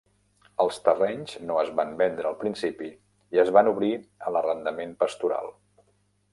Els terrenys no es van vendre al principi i es van obrir a l'arrendament pastoral.